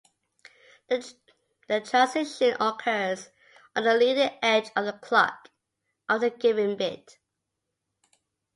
The transition occurs on the leading edge of the clock for the given bit.